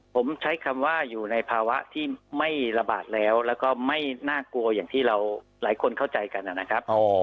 ผมใช้คำว่าอยู่ในภาวะที่ไม่ระบาดแล้วแล้วก็ไม่น่ากลัวอย่างที่เราหลายคนเข้าใจกันนะครับ